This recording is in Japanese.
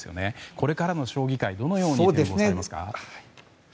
これからの将棋界どのように思われますか。